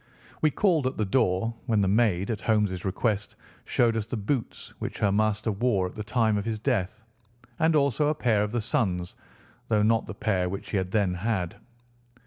We called at the door, when the maid, at Holmes' request, showed us the boots which her master wore at the time of his death, and also a pair of the son's, though not the pair which he had then had.